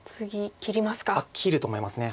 切ると思います。